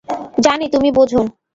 জানি তুমি বোঝো।